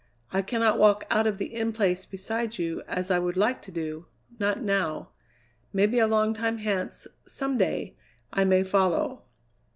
I cannot walk out of the In Place beside you, as I would like to do not now. Maybe a long time hence, some day, I may follow!"